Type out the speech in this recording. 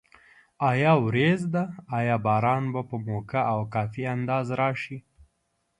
آیا وریځ ده؟ آیا باران به په موقع او کافي اندازه راشي؟